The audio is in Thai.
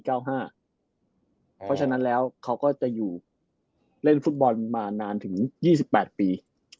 เพราะฉะนั้นแล้วเขาก็จะอยู่เล่นฟุตบอลมานานถึง๒๘ปี